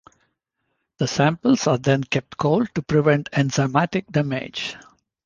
The samples are then kept cold to prevent enzymatic damage.